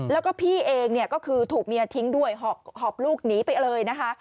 แล้วก็พี่เองเนี่ยก็คือถูกเมียทิ้งด้วยหอบลูกหนีไปเลยนะคะ